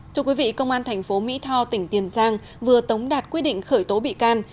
thưa quý vị công an thành phố mỹ tho tỉnh tiền giang vừa tống đạt quyết định khởi tố bị can